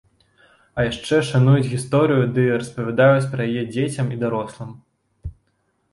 А яшчэ шануюць гісторыю ды распавядаюць пра яе дзецям і дарослым.